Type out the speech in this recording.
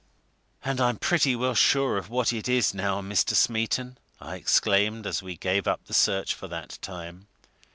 "And I'm pretty well sure of what it is, now, Mr. Smeaton!" I exclaimed as we gave up the search for that time.